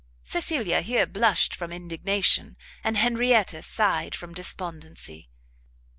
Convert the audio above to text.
Cecilia here blushed from indignation, and Henrietta sighed from despondency.